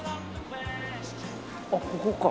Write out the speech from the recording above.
あっここか。